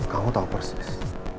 kamu tahu persis